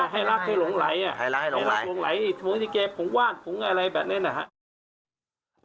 ให้รักให้หลงไหล